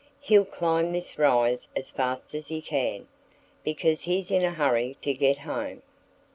he'll climb this rise as fast as he can, because he's in a hurry to get home."